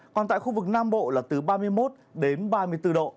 còn tại khu vực nam bộ là từ ba mươi một đến ba mươi bốn độ